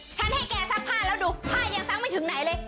ให้แกซักผ้าแล้วดูผ้ายังซักไม่ถึงไหนเลย